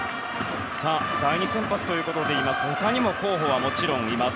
第２先発ということでいうと他にも候補はもちろんいます。